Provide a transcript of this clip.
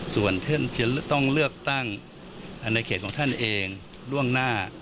ส่วนท่านจะต้องเลือกตั้งในเขตของท่านเองล่วงหน้า